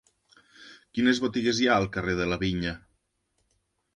Quines botigues hi ha al carrer de la Vinya?